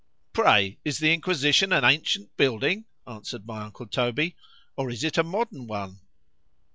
Pray is the Inquisition an ancient building, answered my uncle Toby, or is it a modern one?